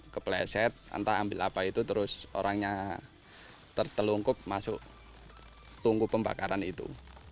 kepleset entah ambil apa itu terus orangnya tertelungkup masuk tunggu pembakaran itu